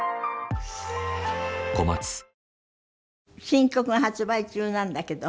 新曲が発売中なんだけど。